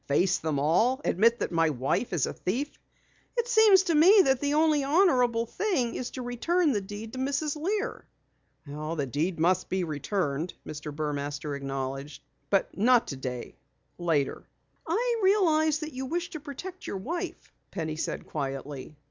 "Face them all? Admit that my wife is a thief?" "It seems to me that the only honorable thing is to return the deed to Mrs. Lear." "The deed must be returned," Mr. Burmaster acknowledged. "But not tonight later." "I realize that you wish to protect your wife," Penny said quietly.